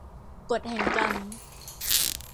กฎแห่งกรรม